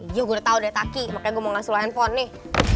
iya gue udah tau dari taki makanya gue mau ngasih lu handphone nih